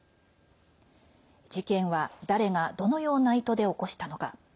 事件は、誰がどのような意図で起こしたのか。